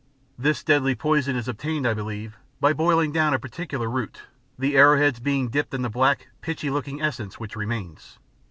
This deadly poison is obtained, I believe, by boiling down a particular root, the arrow heads being dipped in the black, pitchy looking essence which remains.